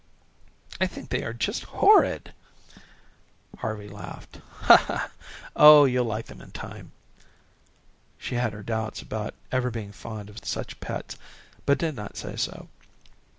"I think they are just horrid." Harvey laughed. "Oh, you'll like them in time." She had her doubts about ever being fond of such pets, but did not say so.